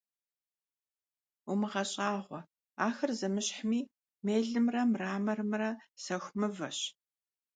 Vumığeş'ağue, axer zemışhmi — mêlımre mramorımre — sexu mıveş.